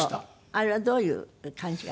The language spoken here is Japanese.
あれはどういう感じが？